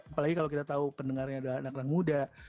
apalagi kalau kita tahu pendengarnya adalah anak anak muda